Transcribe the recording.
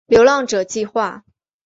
流浪者计画